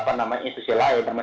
apa namanya institusi lain